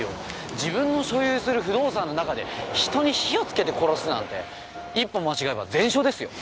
自分の所有する不動産の中で人に火をつけて殺すなんて一歩間違えば全焼ですよ。